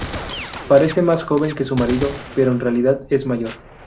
Parece más joven que su marido, pero en realidad es mayor.